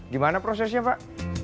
gimana prosesnya pak